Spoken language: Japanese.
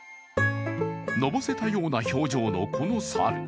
のぼせたような表情のこの猿。